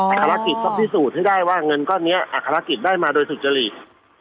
ภารกิจต้องพิสูจน์ให้ได้ว่าเงินก้อนนี้อัครกิจได้มาโดยสุจริต